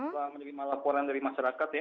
setelah menerima laporan dari masyarakat ya